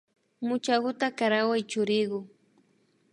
Muchakuta karaway churiku